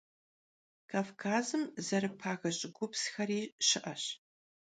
Kavkazım zerıpage ş'ıgupsxeri şı'eş.